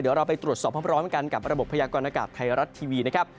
เดี๋ยวเราไปตรวจสอบพร้อมกันกับระบบพยากรณากาศไทยรัฐทีวีนะครับ